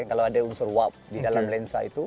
kalau ada unsur wap di dalam lensa itu